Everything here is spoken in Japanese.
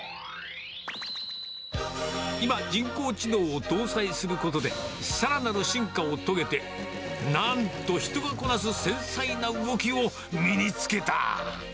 今、人工知能を搭載することで、さらなる進化を遂げて、なんと人がこなす繊細な動きを身につけた。